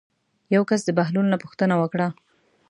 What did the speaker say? یو کس د بهلول نه پوښتنه وکړه.